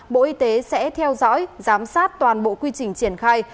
bộ y tế sẽ theo dõi giám sát toàn bộ quy trình triển khai